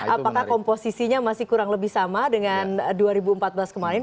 apakah komposisinya masih kurang lebih sama dengan dua ribu empat belas kemarin